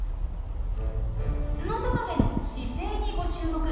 ツノトカゲの姿勢にご注目！